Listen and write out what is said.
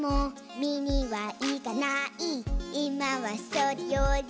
「みにはいかない」「いまはそれより」